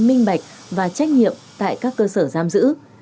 minh bạch và trách nhiệm tại các cơ sở giam giữ